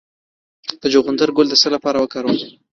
د چغندر ګل د څه لپاره وکاروم؟